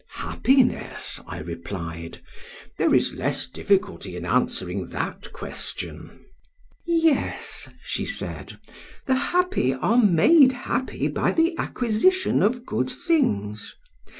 "'Happiness,' I replied; 'there is less difficulty in answering that question.' "'Yes,' she said, 'the happy are made happy by the acquisition of good things.